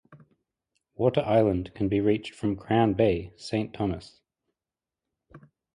Water Island can be reached from Crown Bay, Saint Thomas.